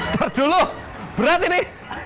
tertuluh berat ini